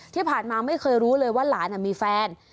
ที่ผ่านมาไม่เคยรู้เลยว่าหลานมีแฟน